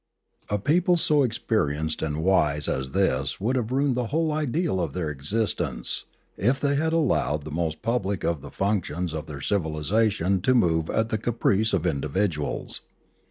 A people so experienced and wise as this would have ruined the whole ideal of their existence if they had allowed the most public of the functions of their civil isation to move at the caprice of individuals.